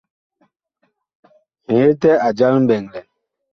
Ŋetɛ a jal mɓɛɛŋ lɛn.